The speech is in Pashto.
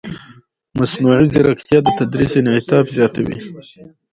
مصنوعي ځیرکتیا د تدریس انعطاف زیاتوي.